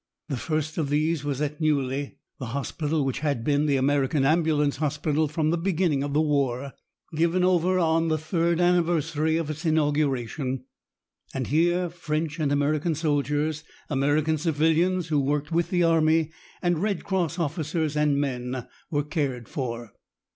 The first of these was at Neuilly, the hospital which had been the American Ambulance Hospital from the beginning of the war, given over on the third anniversary of its inauguration. Here French and American soldiers, American civilians who worked with the army, and Red Cross officers and men were cared for.